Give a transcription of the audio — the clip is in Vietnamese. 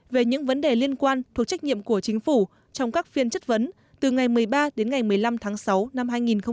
về những vấn đề liên quan thuộc trách nhiệm của chính phủ trong các phiên chất vấn từ ngày một mươi ba đến ngày một mươi năm tháng sáu năm hai nghìn hai mươi